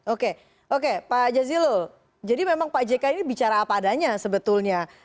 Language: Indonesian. oke oke pak jazilul jadi memang pak jk ini bicara apa adanya sebetulnya